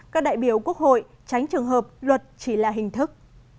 các đại biểu quốc hội tránh trường hợp luật chỉ là hình thức